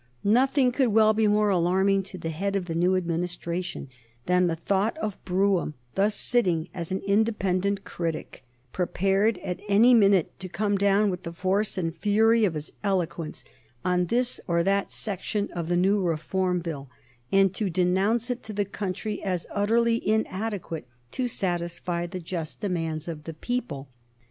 Nothing could well be more alarming to the head of the new Administration than the thought of Brougham thus sitting as an independent critic, prepared at any minute to come down with the force and fury of his eloquence on this or that section of the new Reform Bill, and to denounce it to the country as utterly inadequate to satisfy the just demands of the people.